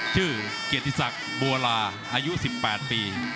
เกียรติศักดิ์บัวลาอายุ๑๘ปี